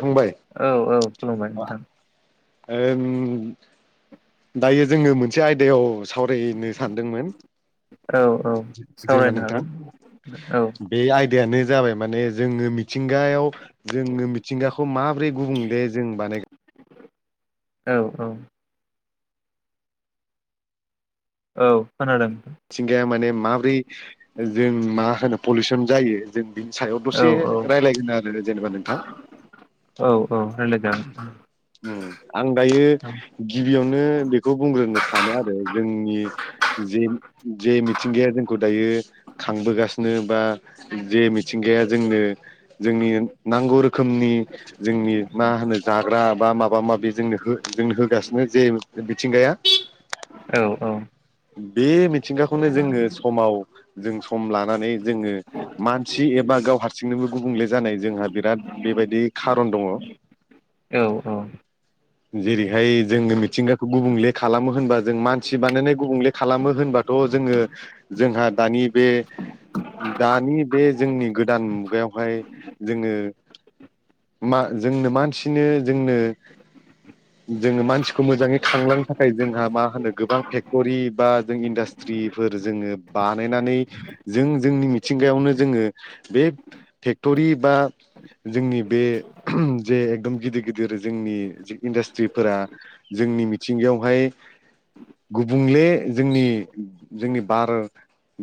फंबाय औ औ खुलुमबाय नोंथां। ओं दायो जोङो मोनसे आयदायाव सावराय नो सान दोंमोन औ औ जेनेबा सावरायनो नोंथां हागोन औ बे आयदायानो जाबाय माने जोंनो मिथिंगायाव जोङो मिथिंगाखौ माब्रै गुबुंले जों बानाय औ औ औ खोनादों। मिथिंगाया माने माब्रै जों मा होनो पलिउसन जायो जों बेनि सायाव औ दसे औ रायज्लायगोन आरो जेनेबा नोंथां औ औ रायलायजागोन उ आं दायो औ गिबियावनो बेखौ बुंग्रोनो सानो आरो जोंनि जे जे मिथिंगाया जोंखौ दायो खांबोगासिनो बा जे मिथिंगाया जोंनो जोंनि नांगौ रोखोमनि जोंनि मा होनो जाग्रा बा माबा माबि जोंनो हो जोंनो होग गासिनो जे मिथिंगाया। औ औ बे म नो जोङो समाव जों सम लानानै जोङो मानसि एबा गाव हारसिङैनोबो गुबुंले जानाय जोंहा बिराद बेबायदि खारन दङ। औ औ जेरैहाय जोङो मिथिंगाखौ गुबुंले खालामो होनबा जों मानसि बानायनाय गुबुंले खालामो होनबा थ' जोङो जोंहा दानि बे दानि बे जोंनि गोदान मुगायावहाय जोङो मा जोंनो मानसिनो जोंनो जोङो मानसिखौ मोजाङै खांलांनो थाखाय जोंहा मा होनो गोबां फेक्ट'रि बा जों इनडास्ट सट्रिफोर जोङो बानायनानै जों जोंनि मिथिंगायावनो जोङो बे फेक्ट'रि बा जोंनि बे जे एकदम गिदिर गिदिर जोंनि इन्डास्ट्रिफोरा जोंनि मिथिंगायावहाय गुबुंले जोंनि जोंनि बार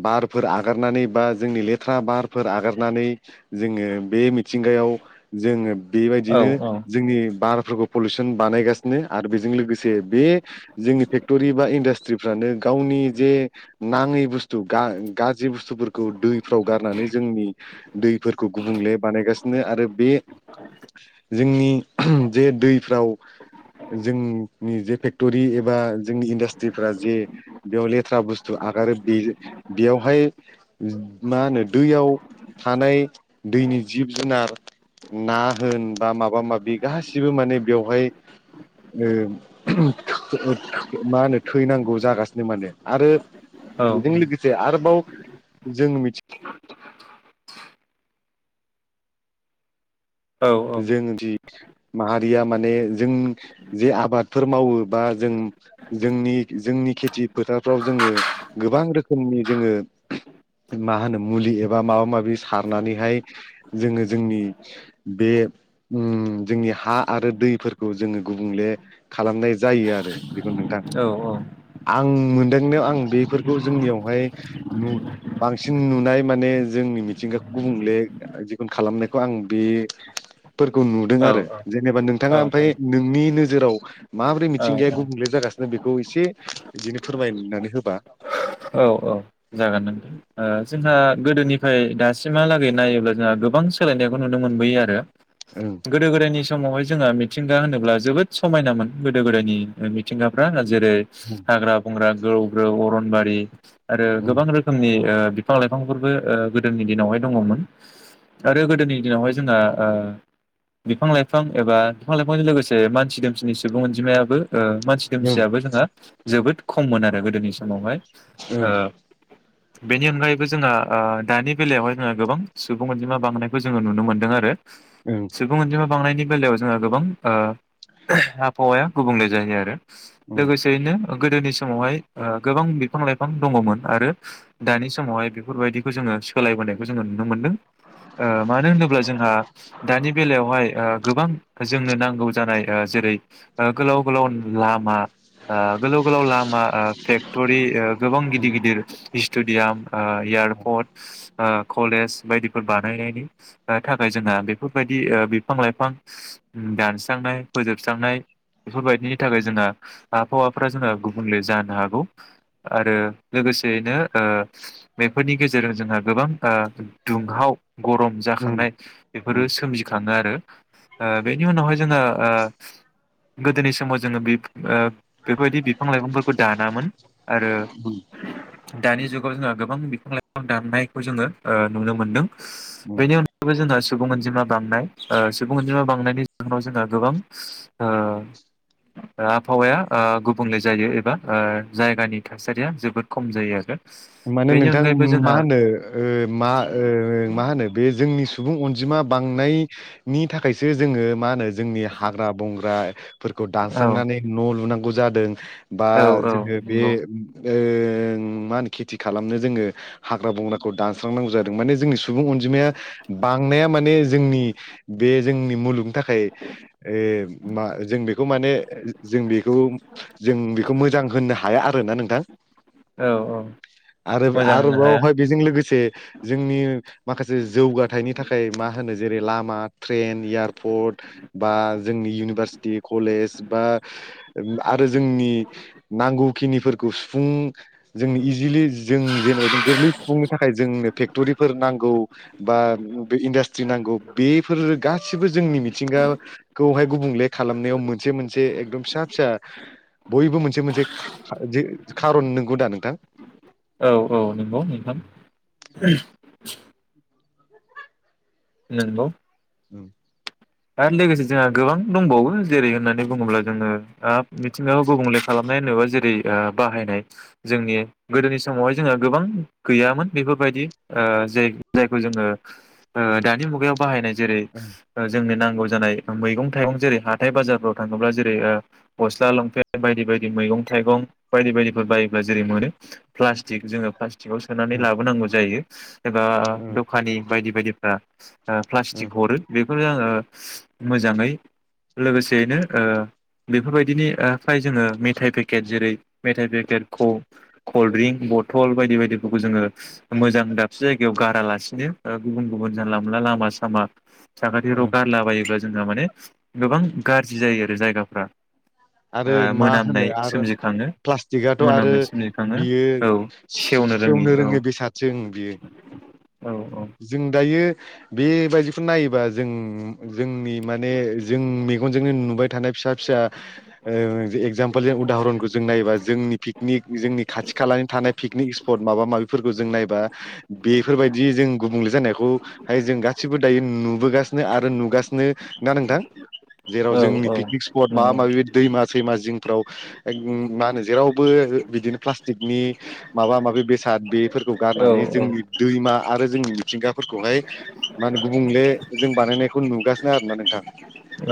बारफोर आगारनानै बा जोंनि लेथ्रा बारफोर आगारनानै जोङो बे मिथिंगायाव जोङो औ बेबायदिनो जोंनि बार फोरखौ पलिउसन बानायगासिनो आरो बेजों लोगोसे बे जोंनि फेक्टरि बा इडास्ट्रिफ्रानो गावनि जे नाङै बुस्थु गा गाज्रि बुस्थुफोरखौ दैफोराव गारनानै जोंनि दैफोरखौ गुबुंले बानायगासिनो आरो बे जोंनि जे दैफ्राव जोंनि जे फेक्टरि एबा जोंनि इन्डास्ट्रिफ्रा जे बेयाव ले थ्रा बुस्थु आगारो बे बेयावहाय मा होनो दैयाव थानाय दैनि जिब जुनार ना होन बा माबा माबि गासिबो माने बेवहाय ओ मा होनो थैनांगौ जागासिनो माने आरो बेजों लोगोसे आरो बाव जों मिथि औ औ। जों जि माहारिया माने जों जे आबादफोर मावो बा जों जोंनि जोंनि खेथि फोथारफ्राव जोङो गोबां रोखोमनि जोङो मा होनो मुलि एबा माबा माबि सारनानैहाय जोङो जोंनि बे उम जोंनि हा आरो दैफोरखौ जोङो गुबुंले खालामनाय जायो आरो [unintelligible] नोंथां। आं मोनदांनायाव आं बेफोरखौ जोंनियावहाय नु बांसिन नुनाय माने जोंनि मिथिंगाखौ गुबुंले जिखुनु खालामनायखौ आं बे फोरखौ नुदों आरो जेनेबा नोंथाङा ओमफ्राय नोंनि नोजोराव माबोरै औ मिथिंगाया गुबुंले जागासिनो बेखौ एसे बिदिनो फोरमायनानै होबा औ औ जागोन नों ओ जोंहा गोदोनि ओमफ्राय दासिमहालागै नायोब्ला जोंहा गोबां सोलायनायखौ नुनो मोनबोयो आरो। ओं गोदो गोदाय निस समावहाय जोंङो मिथिंगा होनोब्ला जोबोद समायनामोन गोदो गोदायनि मिथिंगाफ्रा जेरै ओं हाग्रा बंग्रा ग्रौ ग्रौ अरनबारि आरो गोबां रोखोमनि ओ बिफां लाइफांफोरबो ओ गोदोनि दिनावहाय दङमोन आरो गोदोनि दिनावहाय जोंहा ओ बिफां लाइफां एबा बिफां लाइफांजों लोगोसे मानसि दोमसिनि सुबुं अनजिमायाबो ओ मानसि ओं दोमसियाबो जोंहा जोबोद खममोन आरो गोदोनि समावहाय। ओ। बेनि अनगायैबो जोंहा ओ दानि बेलायावहाय जोहा गोबां सुबुं अनजिमा बांनायखौ जोङो नुनो मोनदों आरो। ओं सुबुं अनजिमा बांनायनि बेलायाव जोङो गोबां ओ आबहावाया गुबुंले जायो आरो। ओं लोगोसेयैनो गोदोनि समावहाय ओ गोबां बिफां लाइफां गोबां दङमोन आरो दानि समावहाय बेफोरबायदिखौ जोङो सोलायबोनायखौ जोङो नु नो मोनदों ओ मानो होनोब्ला जोंहा दानि बेलायावहाय ओ गोबां जोंनो नांगौ जानाय ओ जेरै गोलाव गोलाव लामा आ गोलाव गोलाव लामा आ फेक्ट'रि गोबां गिदिर गिदिर स्ट'डियाम ओ एयारपर्ट ओ कलेज बायदिफोर बानायनायनि ओ थाखाय जोंहा बेफोरबायदि ओ बिफां लाइफां ओम दानस्रांनाय फोजोबस्रांनाय बेफोरबायदिनि थाखाय जोंहा आबहावाफ्रा जोंहा गुबुंले जानो हागौ। आरो लोगोसेयैनो ओ बेफोरनि गेजेरजों जोंहा गोबां ओ दुंहाव गरम उम जाखांनाय उम बेफोरो सोमजिखाङो आरो। ओ बेनि उनावहाय जोङो ओ गोदोनि समाव जोङो बि ओ बे बेफोरबायदि बिफां लाइफांफोरखौ दानामोन। आरो दानि जुग गाव जोङो गोबां बिफां लाइफां दाननायखौ जोङो ओ नुनो मोन्दों। बेनि अनगायैबो जोङो सुबुं अनजिमा बांनाय ओ सुबुं अनजिमा बांनायनि जाहोनाव जोङो गोबां ओ ओ आबहावाया ओ गुबुंले जायो एबा ओ जाय गानि थासारिया जोबोद खम जायो आरो। माने बेनि नोंथां अनगायैबो मा जोंहा होनो ओ मा ओ मा होनो बे जोंनि स सुबुं अनजिमा बांनायनि थाखायसो जोङो मा होनो जोंनि हाग्रा बंग्रा फोरखौ औ दानस्रांनानै न' लुनांगौ जादों बा औ औ जोङो बे नंगौ ओ ओं माहोनो खेथि खालामनो जोङो हाग्रा बंग्राखौ दानस्रांनांगौ जादों माने जोंनि सुबुं अनजिमाया बांनाया माने जोंनि बे जोंनि मुलुगनि थाखाय ओ मा जों बेखौ माने जों बे जों बेखौ मोजां होननो हाया आरोना नोंथां [unintelligible] औ औ आरो मोजां होननो हाया आरोबावहाय बेजों लोगोसे जोंनि माखासे जौगाथायाइनि थाखाय मा होनो जेरै लामा ट्रेन एयारपर्ट बा जोंनि इउनिभारसिटि कलेज बा आरो जोंनि नांगौखिनिफोरखौ सुफुं जोंनि जों जेनेबा जों गोरलै सफुंनो थाखाय जोंनो फेक्ट'रिफोर नांगौ बा बे इन्डास्ट्रि नांगौ बेफोर गासिबो जोंनि मिथिंगाखौहाय गुबुंले खालामनायाव मोनसे मोनसे एकदम फिसा फिसा बयबो मोनसे मोनसे खारन नंगौ दा नोंथांग औ औ नंगौ नोंथां नंगौ [inaudible] आरो लोगोसे जोंहा गोबां दंबावो जेरै होननानै बुङोब्ला जोङो मिथिंगायावखौ गुबुंले खालामनाय होनोबा जेरै बाहायनाय जोंनि गोदोनि समावहाय जोंहा गोबां गैयामोन बेफोरबायदि जाय जायखौ जोङो दानि मुगायाव बाहायनाय जेरै जोंनो नां नांगौ जानाय मैगं थाइं जेरै हाथाय बाजारफोराव थाङोब्ला जेरै गस्ला लंपेन्ट बायदि बायदि मैगं थाइगं बायदि बायदिफोर बायोब्ला जेरै मोनो। प्लाटिक जोङो प्लास्टिकाव सोनानै औ लाबोनांगौ जायो एबा उम दखानि बायदि बायदि ओ उम प्लास्टिक हरो बे बे आङो मोजाङै लोगोसेयैनो बेफोरबायदिनि फाय जोङो मेथाइ पेकेट जेरै मेथाइ पेकेट कल्ड्रिंक बथल बायदि बायदिफोरखौ जोङो मोजां दाबसे जायगायाव गारालासिनो गुबुन गुबुन जानला मोनला लामा सामा साखाथिफोराव उम गारलाबायोब्ला जोंहा माने गोबां गाज्रि जायो आरो जायगाफ्रा। आरो ओ मा मोनामनाय होनो आरो सोमजिखाङो प्लास्टिकआथ' आरो मोनामनाय सोमजिखाङो बियो औ रोङि सेवनो औ रोङै बेसादसो बियो औ जों दायो बेबायदिखौ नायोबा जों जोंनि माने जों मेगनजोंनो नुबाय थानाय फिसा फिसा ओ एगजामपोल जों उदाहरनखौ जों नायोबा जोंनि पिकनिक जोंनि खाथि खालानि थानाय पिकनिक स्पट माबा माबिफोरखौ जों नायबा बेफोरबायदि जों जानायखौहाय जों गासिबो दायो नुबोगासिनो आरो नुगासिनो ना नोंथां। जेराव जोंनि औ औ पिकनिक स्पट माबा नंगौ माबि दैमा सैमा जिंफ्राव मा होनो जेरावबो बिदिनो प्लास्टिकनि माबा माबि बेसाद बेफोरखौ औ औ गारनानै जोंनि दैमा आ जोंनि मिथिंगाफोरखौहाय मा होनो गुबुंले जों बानायनाय बेखौ नुगासिनो आरोना नोंथां।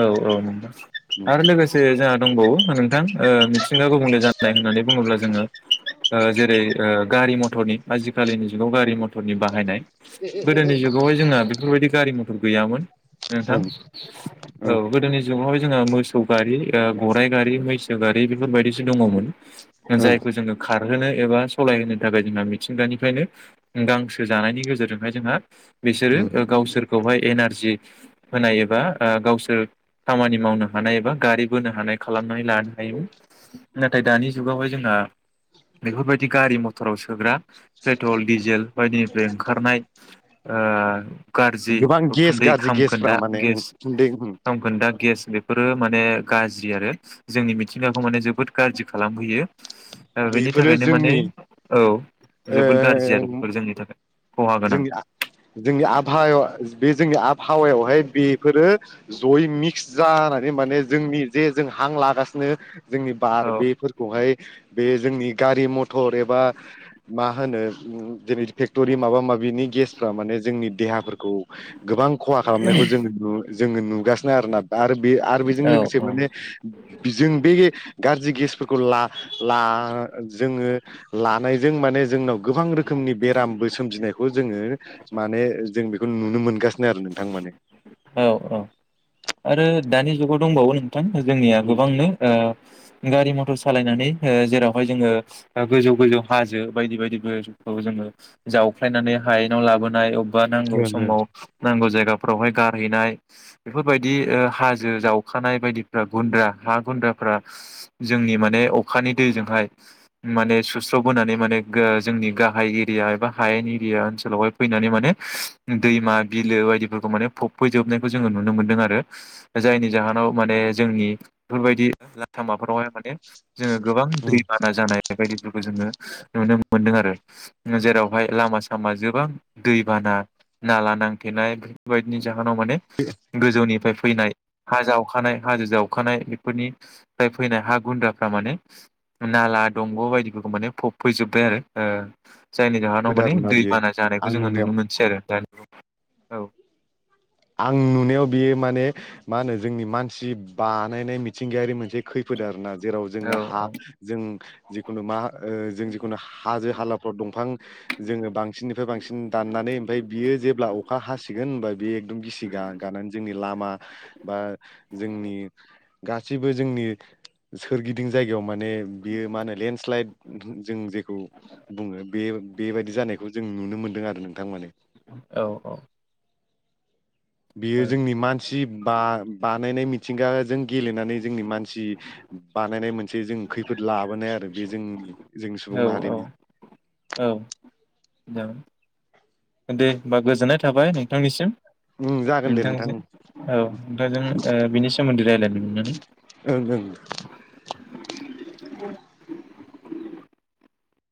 औ औ आरो लोगोसे जोंहा दंबावो नोंथां। ओ मिथि- मिथिंग गुबुंले जानाय होननानै बुङोब्ला जोङो जेरै गारि मथरनि आजिखालिनि जुगाव गारि मथरनि बाहायनाय गोदोनि जुगावहाय जोंङो बेफोरबायदि गारि मथर गैयामोन। नोंथां ओं ओं औ गोदोनि जुगाव जोंहा मोसौ गारि ओ गराइ गारि मैसो गारि बेफोरबायदिसो दङोमोन। ओं जायखौ जोंङो खार होनो एबा सालायहोनो थाखाय जोंहा मिथिंगानिफ्रायनो गांसो जानायनि गेजेरजोंहाय जोंहा बिसोरो ओं गावसोर खौहाय एनारजि होनाय एबा गावसो र खामानि मावनो हानाय एबा गारि बोनो हानाय खालामनानै लानो हायोमोन नाथाय दानि जुगावहाय जोंहा बेफोरबायदि गारि मथराव सोग्रा पेट्रल डिजेल बायदिनिफ्राय ओंखारनाय ओ गोबां गेस गाज्रि गेसफ्रा माने उखुन्दै उम खामखोनदा गेस बेफोरो माने गाज्रि आरो जोंनि मिथिंगाखौ माने जोबोद गाज्रि खालामहैयो। ओ बेनि बेफोरो थाखायनो माने जोंनि औ ओ जोबोद गाज्रि आरो बेफोर जोंनि थाखाय खहा गोनां जोंनि आ जोंनि आबहायाव बे जोंनि आ हावायावहाय बेफोरो जयै मिक्स जानानै माने जोंनि जे जों हां लागासिनो जोंनि बार औ बेफोरखौहाय बे जोंनि गारि मथर एबा मा होनो जेरै फेक्ट'रि माबा ओमबा बेनि गेसफोरा माने जोंनि देहाफोरखौ गोबां खहा खालामनायखौ जों नु जों नुगासिनो आरोना दा आरो बिजों औ लोगोसे औ माने जों बे गाज्रि गेसफोरखौ ला-ला जोंङो लानाय जों माने जोंनाव गोबां रोखोमनि बेरामबो सोमजिनाय खौ माने जों बेखौ नुनो मोनगा औ औ आरो दानि जुगाव दंबावो नों थां जोंनिया ओं गोबांनो गारि मथर सालायनानै ओ जेरावहाय जोंङो गोजौ-गोजौ हाजो बायदि- बायदिफोरखौ जोंङो जावफ्लायनानै हायेनाव लाबोनाय अब आवबा नांगौ ओं ओं समाव नांगौ जायगाफोरावहाय गारहैनाय बेफोरबायदि ओ हाजो जावखानाय बायदिफ्रा गुन्द्रा हा गुन्द्राफ्रा जोंनि माने अखानि दैजोंहाय माने सुस्रबोनानै माने ग जोंनि गाहाय एरिया एबा हायेन एरिया ओनसोलावहाय फैनानै माने दैमा बिलो बायदिफोरखौ माने फबफैजोबनायखौ जोंङो नुनो मोनदों आरो जायनि जाहोनाव माने जोंनि बेफोरबायदि लामाफोरावहाय माने जोङो गोबां उम दैबाना जानाय बायदिफोरखौ जोङो नुनो मोनदों आरो जेरावहाय लामा सामा जोबां दैबाना नाला नां थेनाय बेफोरबायदिनि जा होनाव माने गोजौनिफ्राय फैनाय हा जावखानाय हाजो जावखानाय बेफोरनिफ्राय फैनाय हा गुन्द्राफ्रा माने नाला दंग' बायदिफोरखौ माने फब फैजोबबाय आरो ओ जायनि जाहोनाव माने आरोना बियो दैबाना जानायखौ आं जोङो नुनायाव नुनो मोनसै आरो दानि औ आं नुनायाव बियो माने मा होनो जोंनि मानसि बानायनाय मिथिंगायारि मोनसे खैफोद आरोना। जेराव औ औ जोङो हा जों जिखुनु मा ओ जों जिखुनु हाजो हालाफ्राव दंफां जोङो बांसिननिफ्राय बांसिन दाननानै ओमफ्राय बियो जेब्ला अखा हासिगोन होनबा बे दुम गिसि गा-गानानै जोंनि लामा बा जोंनि गा सिबो जोंनि सोरगिदिं जायगायाव मान ने बियो मा होनो लेनस्लाइद जों जेखौ बुङो बे बेबायदि जानायखौ जों नुनो मोनदों आरो नोंथां माने। औ बियो जोंनि मानसि बा बानायनाय मिथिंगा जों गेलेनानै जोंनि मानसि बानायनाय मोनसे जों खैफोद लाबोनाय आरो बे जों औ औ औ दे होमबा गोजोननाय थाबाय नोंथांनिसिम। उम जागोन दे नोंथां नोंथांजों औ नोंथांजों बिनि सोमोन्दै रायलायनो मोनना। [unintelligible] ओं ओं